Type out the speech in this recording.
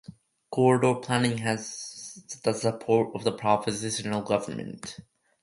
Corridor planning has the support of the provincial government.